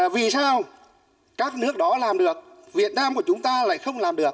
vì sao các nước đó làm được việt nam của chúng ta lại không làm được